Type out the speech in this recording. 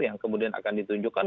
yang kemudian akan ditunjukkan